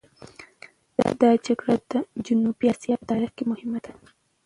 دا جګړه د جنوبي اسیا په تاریخ کې مهمه ده.